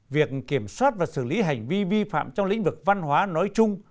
việc kiểm soát và xử lý hành vi vi phạm trong lĩnh vực văn hóa nói chung